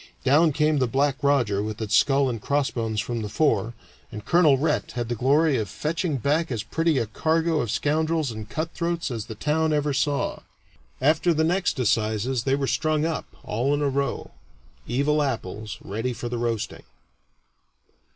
Down came the "Black Roger" with its skull and crossbones from the fore, and Colonel Rhett had the glory of fetching back as pretty a cargo of scoundrels and cutthroats as the town ever saw. After the next assizes they were strung up, all in a row evil apples ready for the roasting.